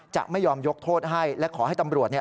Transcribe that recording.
จะไม่ยอมยกโทษให้และขอให้ตำรวจเนี่ย